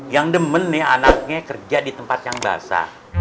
yang demen nih anaknya kerja di tempat yang basah